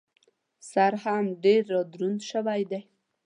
سر هم ډېر را دروند شوی دی.